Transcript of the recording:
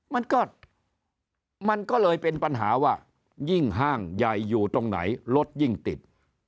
มันก็มันก็เลยเป็นปัญหาว่ายิ่งห้างใหญ่อยู่ตรงไหนรถยิ่งติด